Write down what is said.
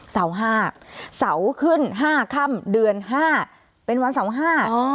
เสาร์๕เสาร์ขึ้น๕ค่ำเดือน๕เป็นวันเสาร์๕